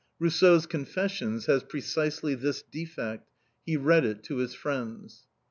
Rousseau's Confessions has precisely this defect he read it to his friends.